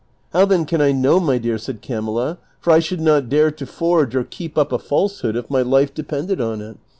" How then caii I know, my dear? " said Camilla, " for 1 should not dare to forge or keep up a falsehood if my life depended on it.